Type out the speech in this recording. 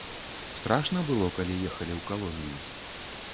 Страшна было, калі ехалі ў калонію?